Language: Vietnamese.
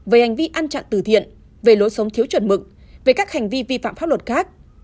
về hành vi ăn chặn từ thiện về lối sống thiếu chuẩn mực về các hành vi vi phạm pháp luật khác